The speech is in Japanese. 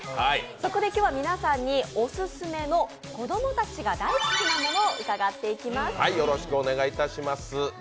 そこで今日は皆さんにオススメの子どもたちが大好きなものを伺っていきます。